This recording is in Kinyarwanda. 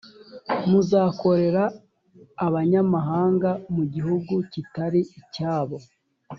muzakorera abanyamahanga mu gihugu kitari icyabo